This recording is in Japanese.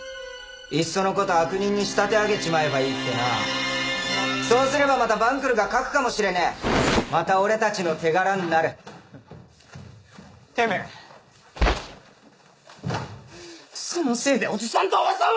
いっそのこと悪人に仕立て上げちまえばいいってなそうすればまた晩来が描くかもしれねぇまた俺たちの手柄になるてめぇそのせいでおじさんとおばさんは！